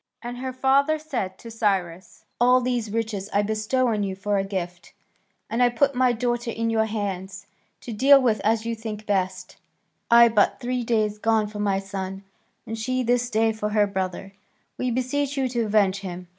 And her father said to Cyrus, "All these riches I bestow on you for a gift, and I put my daughter in your hands, to deal with as you think best. We are your suppliants; I but three days gone for my son, and she this day for her brother; we beseech you to avenge him."